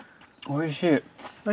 おいしい？